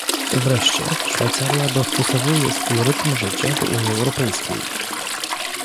Wreszcie Szwajcaria dostosowuje swój rytm życia do Unii Europejskiej